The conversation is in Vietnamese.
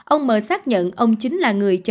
ông m xác nhận ông chính là người chở